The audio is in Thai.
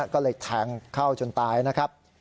ก็เลยแทงเข้าจนตายนะครับ